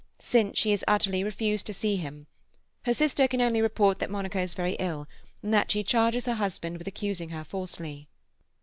Since, she has utterly refused to see him. Her sister can only report that Monica is very ill, and that she charges her husband with accusing her falsely.